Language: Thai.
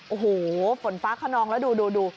โอ้โหฝนฟ้าขนองแล้วดู